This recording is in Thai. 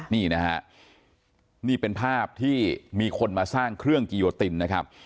นี่นะฮะนี่เป็นภาพที่มีคนมาสร้างเครื่องกิโยตินนะครับ